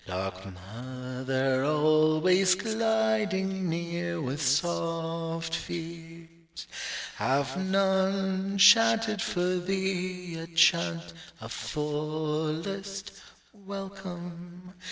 _Dark mother, always gliding near with soft feet, Have none chanted for thee a chant of fullest welcome?